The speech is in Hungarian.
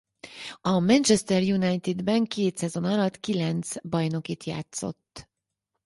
A Manchester Unitedben két szezon alatt kilenc bajnokit játszott.